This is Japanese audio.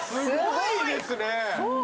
すごいですね。